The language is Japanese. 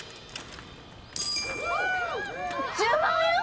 １０万円！？